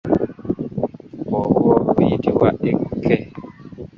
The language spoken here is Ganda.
Obuwoomi buyitibwa ekke.